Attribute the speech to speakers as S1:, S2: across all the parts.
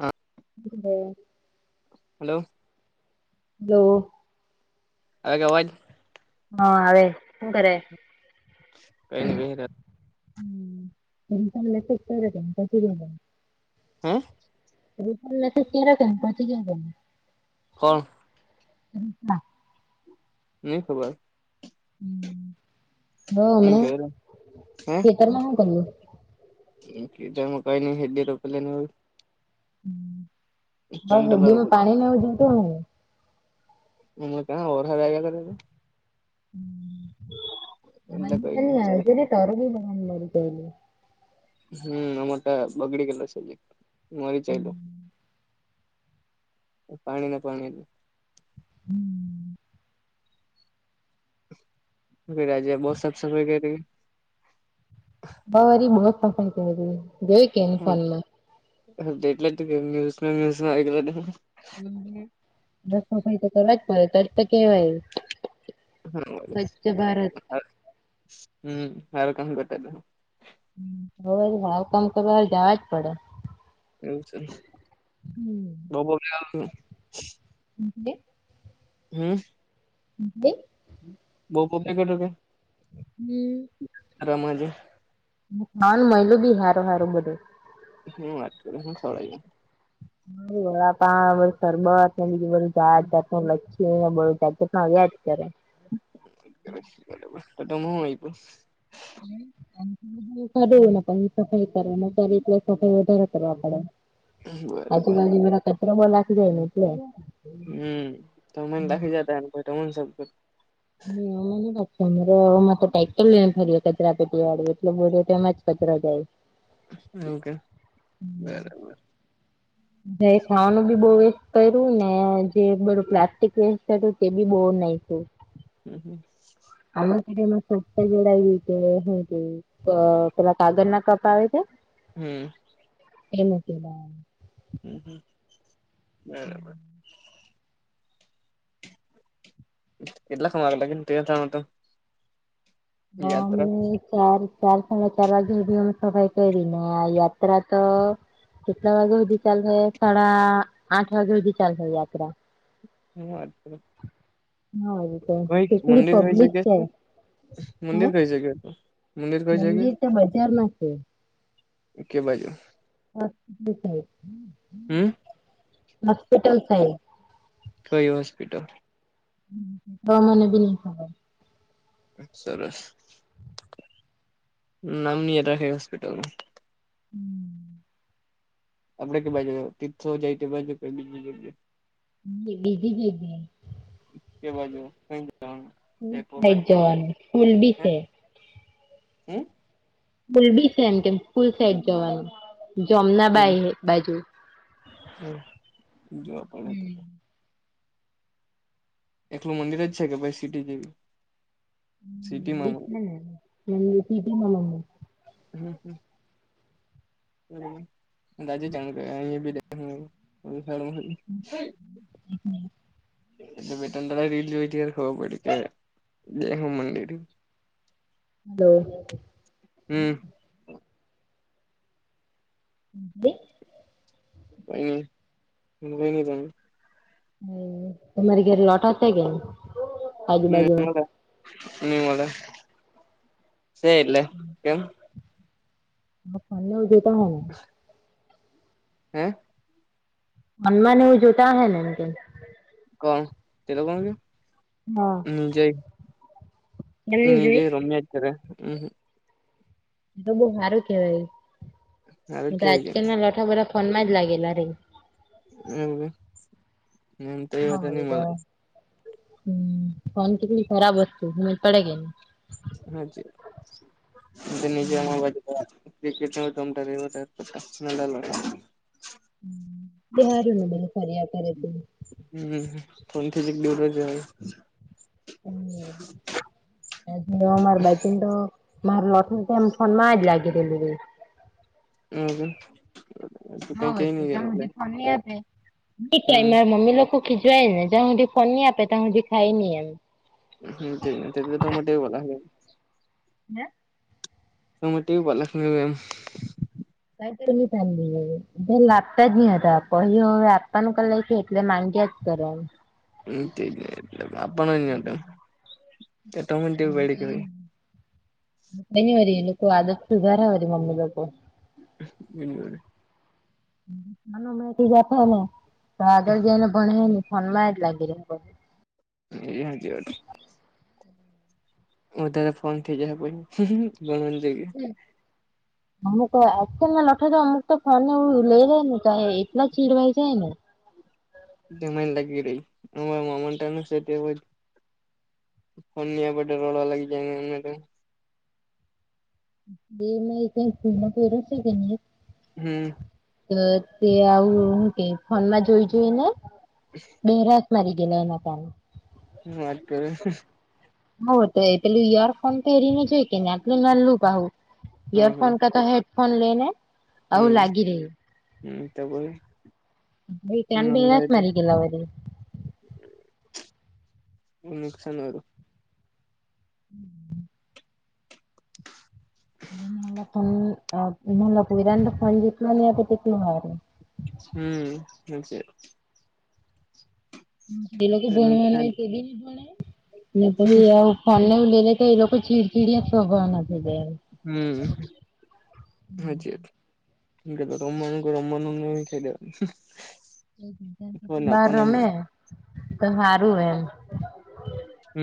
S1: હા
S2: હમ.
S1: હલો.
S2: દો.
S1: આયગ અવાજ
S2: હા આવે શું કરે
S1: કઈ નઈ
S2: હમ મેસેજ કર્યો તો તેમ કીધું
S1: હે
S2: ગ્રુપમાં મેસેજ કર્યો તો ને પહોચી ગયો તમને
S1: કોણ
S2: ગ્રુપમાં
S1: નું ખબર
S2: તો
S1: ની
S2: હમને
S1: ઘેર
S2: ખેતરમાં શું કર્યું
S1: એ જ મ કઈ ન હેલી તો પેલી ન હોય ત્રણ
S2: બસ
S1: ડોલર
S2: હેદીમાં
S1: ઉભું
S2: પાણી નવું જતું હો
S1: હ કાં વરહાદ આવ્યા કર તો છે એટલે કઈ નઈ ચાલે
S2: જ તર બ મળું ક
S1: હમ અમાર તા બગડી ગેલો છે એક મરી જ્યેલુ પાણી ના પાણી
S2: હમ
S1: રાજ્ય બહૂ સાફ સફાઈ કરી
S2: બારી બહુ જ પસંદ થાય જોય કેને ફોન માં
S1: એટલે જ તો કિધું ન્યુઝ મ્યુઝમાં
S2: રસોઈ તો કરવા જ પડે તો જ કેવાય સ્વચ્છ ભારત
S1: હા હમ હારુ કામ કરતા બેસો
S2: હવે ભાવ કમ કરવા જાવા જ પડે
S1: એવું છે
S2: હમ
S1: બહ બ
S2: હ એટલે
S1: હમ
S2: હ એટલે
S1: બહુ પોતે કરો કે રમાજે
S2: માન મળયુ બી હારું હારું બધું
S1: હું વાત કરુ હુ ખવાયુ
S2: હ વડાપાઉં સરબત ને બીજું બધું જાત જાતનુ લસ્સી બર્ગર તો મળ્યા જ કરે
S1: તમે હૂ આપ્યું
S2: બાઢને પણ સફાઈ કરને ત્યારે એટલે સફાઈ વધારે કરવા પડે
S1: બરાબર
S2: આજુબાજુ વાળા કચરા માં નાખી જાય ને એટલે
S1: હમ તો મને રાખી જતાનેન
S2: હમ વારે તો ટાઇક્ટર લને ફરી કચરા પેટી વાળી એટલે બો તો એમાં જ કચરો જાય
S1: ઓકે બરાબર
S2: જ ખાવાનું બી બહુ વેસ્ટ કર્યું ને જે બધું પ્લાસ્ટિક વેસ્ટ કરું તે બી બહી નાખ્યું
S1: હમ હમ
S2: આમા ક મત ગેડા એ પેલા કાગળ ના કપ આવે છે
S1: હમ
S2: એમ કે
S1: હમ હમ બરાબર. કેટલા તૈયાર થવાના તા
S2: હા મને ચાર ચાર સાડા ચાર વાગે બી અમે સફાઈ કરી ને આ યાત્રા તો કેટલા વાગ્યા સુધી ચાલશે સાડા આઠ વાગ્યા સુધી ચાલશે યાત્રા
S1: હુ વાત
S2: હા રીતે
S1: કરો કઈ
S2: કેટલી
S1: મંદિરવાલી
S2: પબ્લિક
S1: જગ્યા છે
S2: હે
S1: મંદિર કઈ જગ્યા હતુ.
S2: મંદિર બજાર મા છે.
S1: કે બાજુ.
S2: [unintelligible]
S1: હમ
S2: હોસ્પિટલ સાઇટ.
S1: કઈ હોસ્પિટલ.
S2: તો મને બી નઈ ખબર.
S1: સરસ નામની રહે હોસ્પિટલ.
S2: હમ
S1: આપડે કે બાજુ તીર્થો જાય તોજી
S2: બીજી બીજી
S1: કે બાજુ કઈદાણ.
S2: થાઈજવાનુ સ્કૂલ બી છે.
S1: હમ
S2: ફુલ બી છે એમ કેમ ફુલ સાઈડ જવાનું જમના બા બાજુ.
S1: હ જોવા પણ તો.
S2: હમ
S1: એકલું મંદિર જ છે કે ભાઈ સિટી જેવી.
S2: હમ
S1: સિટીમાં
S2: કીપ ત મમ પીપી મામામ
S1: હમ હમ દાજે ચંગ બી હલો ફેડ [inaudible]
S2: તો
S1: હમ
S2: હમ
S1: હમ હુકઈનહિ જાણતો.
S2: હમ તમારી ઘરે લોટા હતા કેમ.
S1: હું મળ હું મળ છે એટલે કેમ.
S2: [inaudible]
S1: [unintelligible] હમ
S2: હનુમાન એવું જોતા હ ને એમ કેમ.
S1: કણ તલોકોણ કે
S2: હા
S1: હું જઈ
S2: કેમ
S1: હું જઈ
S2: ની જોઈ
S1: નીચે રમ્યા જ કર્યારે હ
S2: તો બહુ સારું
S1: આવે
S2: કેવાય
S1: કેવી ગેમ
S2: આજકાલ ના લઠા બધા ફોન માં જ લાગેલા રે.
S1: [unintelligible] એમ તો એ
S2: હ
S1: બધા ની મળે
S2: હમ ફન કટલી ખરાબ વસ્તુ ભુલ પડગેની.
S1: હા જી [unintelligible]
S2: બિહારનું બ ફર્યા કરે તું.
S1: હમ ફોન થી જ દરોજ હોય.
S2: હમ મારબાચ તો માર નોતુ તો એમ ફોન માં જ લાગી દેલું ગઈ.
S1: હમ
S2: હવેય જે કારણકે એ ટાઈમ
S1: હમ
S2: મા મમી લોકો ખીજવાયને જાં સુઠી ફોન નહિ આપે તં સુઠી ખાય ની એમ.
S1: હમ તો મો બોલા
S2: હમ
S1: તમે ટ ભલમ [inaudible]
S2: કઈ તો લાગતા જ નહી હતા પહ હવે આપવાનું ક લે છે એટલે માંગ્યા કરસ્વ [unintelligible]
S1: અપણ તટ એટ મટ પડી [inaudible]
S2: કઈ વાળરી એ લોકો આદત સુધારા હોરી મમ્મી પપુ
S1: બનને
S2: નું મેહથી જા ને તો આગળ જઈને ભણ હ ને શન જ લાગી
S1: એજવાટું [inaudible] વધારે ફોન થઇ જશે પછી ભણવા જઈ ગ
S2: મને તો એચ નાને લઠેજ અમક તો ફોનું લઈ લે ન ક એટલા ચીડવાઈ જાય ને?
S1: જમાને લાગી રહી અ મમતાનું છે તે જ ફનિયા પટેે રોળ લાગી જાયને એટ
S2: એ મે એક સ્કૂલમાં પર ક [unintelligible]
S1: હમ
S2: તો તે આવું હું ક ફોન માં જોઈ જોઈ ને?
S1: હ
S2: બેરાત મારી ગેલો એના કાર નો
S1: હુ વાત કરે છે?
S2: હો તો એ પેલું યરફોન તો એરીને જોઈ કે? લુક
S1: હા
S2: ઈયરફોન
S1: હા
S2: કા તો હેડફોન લેને આવ
S1: હમ
S2: લાગી રહી.
S1: હમ તો બો
S2: એ તડિ
S1: તો
S2: મરીગ લા વરી
S1: નુકસાન
S2: હમ ફન મ પઈરા તો ફોન જતલો નહી તો તેટલો હોય,
S1: હમ હ છે.
S2: જે લોકો
S1: નુકસાન
S2: ભણવાનું તે ભી ન ભણે ને પણી આ ફને ઉ લલે કે એ લોકો ચીડચીડી સોભવા થય જાય.
S1: હમ હાજી વાત રમણ રમણ ન ખાઈવાનું
S2: બાર રમે તો સારું એમ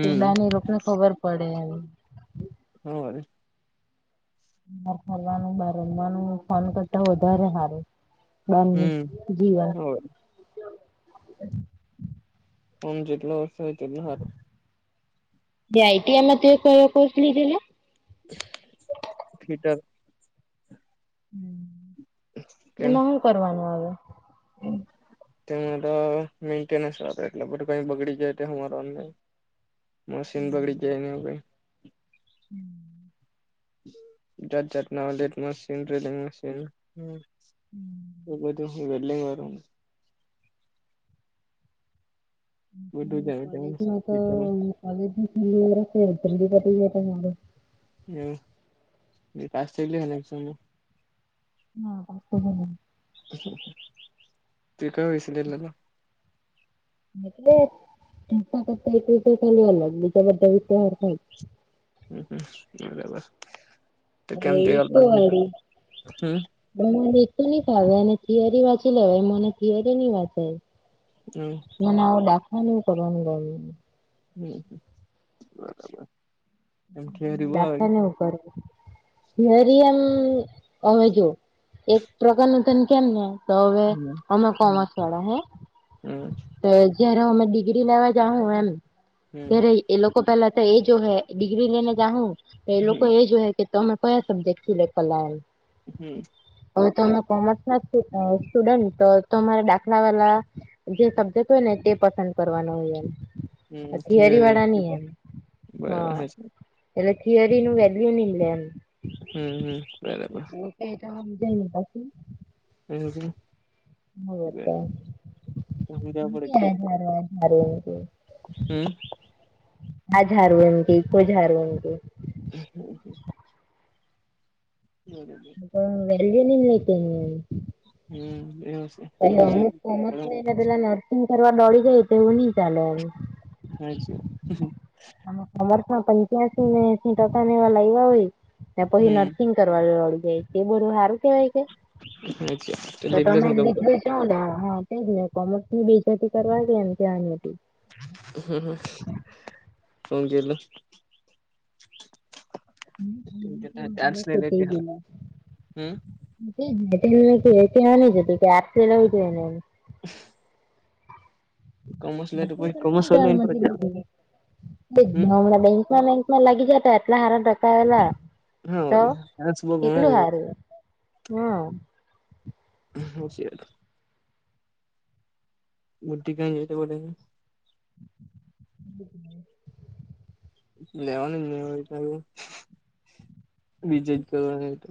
S2: તે બ ને રોકને ખબર પડે હ
S1: હો
S2: ફરવાનું બર રમવાનું ફોન કરતા વધારે સારું. હ
S1: હમ
S2: જી વાત
S1: હવારે હ જેટલો વર્ષો હોય તેટલો સારું.
S2: જે આઈમાં કો કોર્સ લધેલા?
S1: થિટર
S2: હ
S1: કેમ
S2: એમાં શું કરવાનું આવે?
S1: તે મારા મેન્ટેનસ એટલે કઈ બગડી જાય તોર નહી મશીન બગડી જા એ ન ભઈ
S2: હમ
S1: જાત-જાતના [unintelligible] મશીન [unintelligible] મશીન, હમ્મ. તો બધું [unintelligible] વાળું બધું
S2: હમ્મ-હમ્મ,
S1: જ આવે તેમાં
S2: કોલેજમાં તો
S1: ફિટરમાં
S2: કોલેજ [unintelligible]
S1: એવ પાસ્ એગલી હનેક સમમ- [inaudible]
S2: હા વા બ [inaudible]
S1: તે કયો વિષય લીધેલો?
S2: એટલે કરતા એક રીતે અ બીજા બધા વિચાર થ
S1: હ હ બ બરાબર તો
S2: જ હવે
S1: કેમ ગ [inaudible] હમ
S2: બ તું નહ ફાવે અને થિયરી વાંચી લેવાય મને થિયરી નની વાંચે.
S1: [unintelligible]
S2: મને આવો [unintelligible]
S1: હમ્મ, બરાબર.
S2: દાખલા ને એવું કરે. [unintelligible] એમ હવે જો એક પ્રકારનું તન કેમ ને, તો હવે
S1: હમ
S2: અમે કોમર્સ વાળા હે,
S1: હમ
S2: તો એ જયારે અમે ડિગ્રી લેવા જાઉં એમ
S1: હમ
S2: ત્યારે એ લોકો પેલા તો એ જોહે ડિગ્રી લેહને જાઉ, તો એ લોકો
S1: હમ
S2: એ જોહે કે તો અમે કયા સબ્જેક્ટ સિલેક્ટ કલાય.
S1: હમ્મ.
S2: હવે તમે કોમર્સ ના સ્ટુ અહ સ્ટુડન્ટ તો તમે દાખલા વાલા જે સબ્જેક્ટ હોય ને તે પસંદ કરવાનો હોય એમ. આ થિયરી વાળા નહીં એમ,
S1: બરાબર
S2: હા.
S1: હાચી
S2: એટલે થિયરી નું વેલ્યુ નહીં લે એમ.
S1: હમ્મ-હમ્મ, બરાબર.
S2: [unintelligible]
S1: [unintelligible]
S2: [unintelligible]
S1: હમ્મ.
S2: [unintelligible]
S1: હમ્મ-હમ્મ. [inaudible]
S2: તો વેલ્યુ [unintelligible]
S1: હમ એવું છે
S2: [unintelligible]
S1: બધું
S2: અમુક
S1: જોઈને
S2: કોમર્સ ને પેલા [unintelligible] સિગ કરવા દોડી જાય તો એવું નહીં ચાલે હવે.
S1: હાચે.
S2: અને કોમર્સ માં પંચ્યાસી ને એસી ટકા ને એવા લઈ આવી ને પછી
S1: હમ
S2: નર્સિંગ [unintelligible] જાય તે બધું સારું કહેવાય કે?
S1: હાચી
S2: તો
S1: લીધલો
S2: તમે [unintelligible]
S1: શું કામ
S2: [unintelligible] હા હતી ને જ, કોમર્સ ની [unintelligible] કરવા ગયા ને ત્યાં જ હતી.
S1: [unintelligible] આર્ટસ ને લેતી હારુ હમ
S2: [unintelligible] [unintelligible]
S1: [inaudible] કોમર્સ લે તો પછી કોમર્સ વાળી લાઈન પર જ જાવ
S2: [unintelligible]
S1: હમ
S2: બેંકમાં લાઈ માં લાગી જતા, એટલા હારા ટકા આયેલા,
S1: હા
S2: તો
S1: વળી આર્ટસ બો ઘણા
S2: કેટલું
S1: રહ્યા
S2: હારું હે. હા.
S1: [unintelligible] [unintelligible]
S2: [inaudible]
S1: લેવાનું ન હોય તો, બીજે જ કરવાનું હોય તો.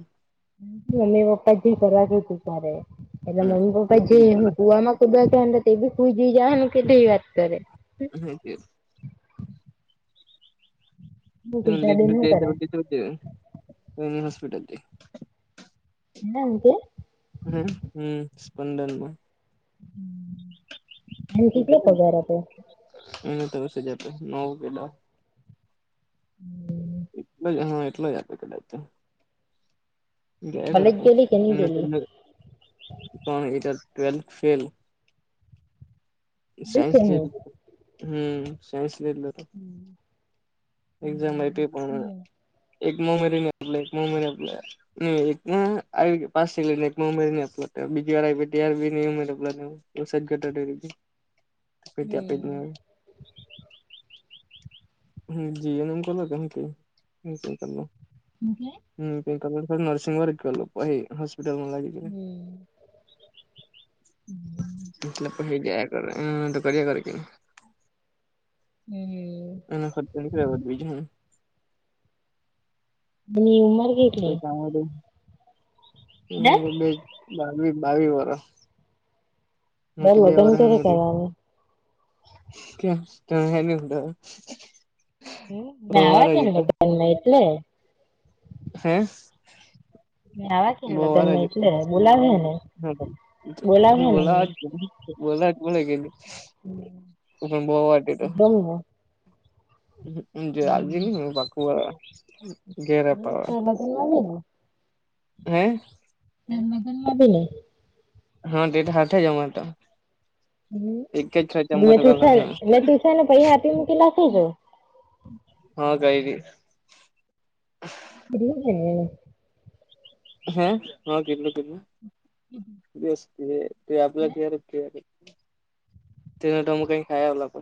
S2: મમ્મી પપ્પા જે કરવા [unintelligible] એટલે મમ્મી પપ્પા જે એમ કુવામાં કૂદવા કેવાન તો તે બી [unintelligible]
S1: [unintelligible]
S2: હું કરે
S1: [unintelligible] હોસ્પિટલથી
S2: [unintelligible]
S1: હમ્મ-હમ્મ! સ્પંદનમાં.
S2: [inaudible] એમ કેટલો પગાર આપે
S1: [unintelligible]
S2: [inaudible]
S1: એટલો જ હા, એટલો જ આપે. કદાચ તો.
S2: કોલેજ ગેલી કે ની ગેલી
S1: [unintelligible]
S2: છે
S1: સાયન્સ લે
S2: હું
S1: હમ. સાયન્સ લે હતો. એક્ઝામ લ
S2: હમ
S1: પણ
S2: હમ
S1: એક નવ મહિનેની આપ એક નવ મહિને આપ. ન એકમાં આવી પાસ થઈ ને. એક ઉમેર ન આપ બીજી વાર આવીયાર ઉમેર. [unintelligible] [unintelligible]
S2: [inaudible]
S1: હમ પિંલર નર્સિંગ વારે ગલુંહી, હસ્પિટલ માં લાગી. ગયો
S2: હમ!
S1: એટલે પછી જાયા કરે તો, એનું એનું કર્યા કર કે.
S2: હમ!
S1: એનો ખર્ચો ન કર્યા બીજ હું?
S2: ની ઉમર?
S1: [unintelligible]
S2: હે
S1: હમ બે બાવી બાવી વરહ. મ
S2: હવે
S1: બે
S2: લગ્ન
S1: વરહ ની
S2: ક્યારે
S1: મોટી.
S2: કરવાનું
S1: [unintelligible]
S2: હમ મે
S1: બો વાર
S2: આવા છે
S1: જ હતા.
S2: ને એટલે.
S1: હે?
S2: મે આવા કે
S1: [unintelligible]
S2: ને લગ્નમાં એટલે બોલાવે ને બોલાવે ને
S1: બોલા
S2: અમને
S1: બલો ગલી.
S2: જમને
S1: પણ બહવા વાે તો. આવજે ને પાકું બોલાવવા.
S2: હ તો લગ્ન લે.
S1: હે?
S2: [unintelligible]
S1: હા! તે તો હાથે જ અમે તો. એક જ
S2: હ
S1: ચંબો
S2: મે
S1: ટકા લખ
S2: ટુશન મે ટુશનને પૈસા આપી મૂકીલાખી છો..
S1: હા! કઈની.
S2: [unintelligible]
S1: હા કીધેલું કીધેલું કે દિવસે તું એ આપેલા ત્યારે. તેનુ તો અમે કંઈ ખાય આવેલા.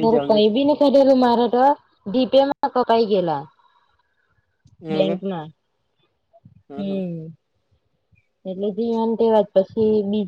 S1: એ જ આવલે
S2: કાંઇબી મારાાતો જીપે મા કકાય ગેલા.
S1: હ
S2: બેંકમાં.
S1: હ
S2: હમ! એટલે જેવાને તેવા જ પછી બીજા